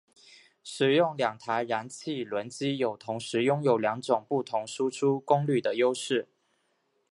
使用两台燃气轮机有同时拥有两种不同输出功率的优势。